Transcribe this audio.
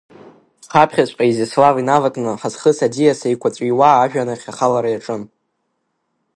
Ҳаԥхьаҵәҟьа, Изиаслав инавакны, ҳазхыз аӡиас еикәаҵәиуа ажәҩан ахь ахалара иаҿын.